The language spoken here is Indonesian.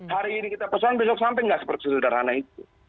hari ini kita pesan besok sampai nggak sederhana itu